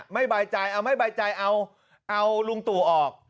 ไม่ใบใจเอาไม่ใบใจเอาลุงตุ๋ออก